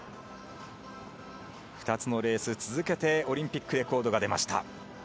２つのレース続けてオリンピックレコード出ました。